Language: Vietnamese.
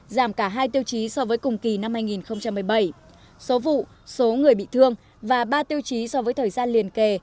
giảm cả hai tiêu chí so với cùng kỳ năm hai nghìn một mươi bảy số vụ số người bị thương và ba tiêu chí so với thời gian liền kề